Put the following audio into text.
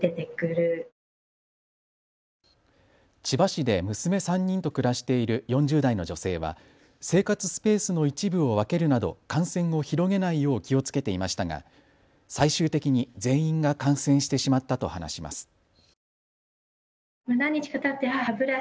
千葉市で娘３人と暮らしている４０代の女性は生活スペースの一部を分けるなど感染を広げないよう気をつけていましたが最終的に全員が感染してしまったと話します。